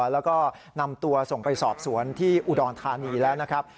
แล้วก็นำตัวส่งไปสอบสวนที่อุดรธานีแล้วนะครับ